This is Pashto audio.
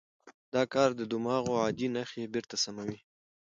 دا کار د دماغ عادي نښې بېرته سموي.